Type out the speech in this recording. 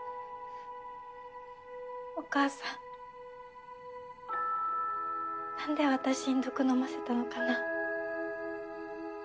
お母さんなんで私に毒飲ませたのかな。